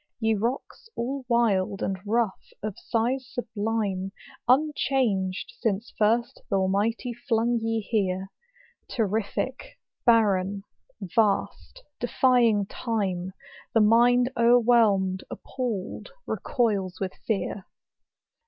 Ye rocks all wild, and rough, of size sublime, Unchanged since first th ? Almighty flung ye here : Terrific, barren, vast, defying time The mind overwhelmed, appalled, recoils with fear*.